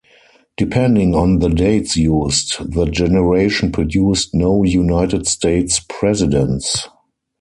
Depending on the dates used, the generation produced no United States presidents.